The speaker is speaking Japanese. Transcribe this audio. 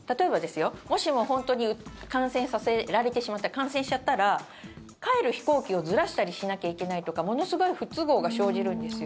もしも、本当に感染させられてしまった感染しちゃったら帰る飛行機をずらしたりしなきゃいけないとかものすごい不都合が生じるんですよ。